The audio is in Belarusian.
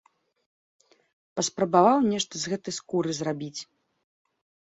Паспрабаваў нешта з гэтай скуры зрабіць.